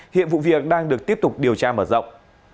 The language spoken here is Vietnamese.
hiện vụ việc đang được tiếp tục điều tra mở rộng